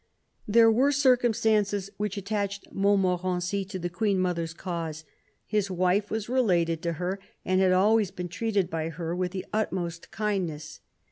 There were circumstances which attached Montmorency to the Queen mother's cause. His wife was related to her, and had always been treated by her with the utmost kindness.